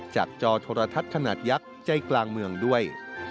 จอโทรทัศน์ขนาดยักษ์ใจกลางเมืองด้วย